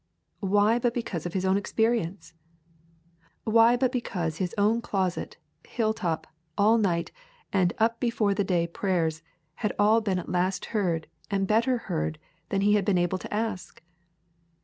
Why but because of His own experience? Why but because His own closet, hilltop, all night, and up before the day prayers had all been at last heard and better heard than He had been able to ask?